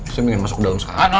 saya ingin masuk dalam sekarang